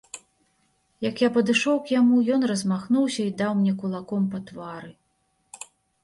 Як я падышоў к яму, ён размахнуўся і даў мне кулаком па твары.